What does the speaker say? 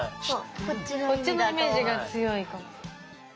こっちのイメージが強いかも。